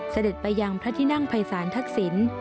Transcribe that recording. เสด็จไปยังพระที่นั่งภัยศาลทักษิณ